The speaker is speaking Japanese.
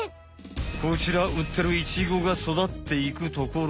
こちらうってるイチゴが育っていくところ。